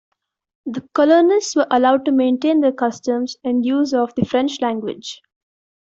The colonists were allowed to maintain their customs and use of the French language.